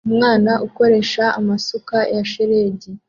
Umwana ukoresha amasuka ya shelegi